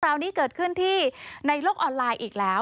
คราวนี้เกิดขึ้นที่ในโลกออนไลน์อีกแล้ว